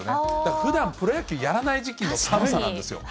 ふだん、プロ野球やらない時期の寒さなんですよ。